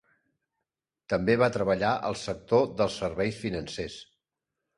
També va treballar al sector dels serveis financers.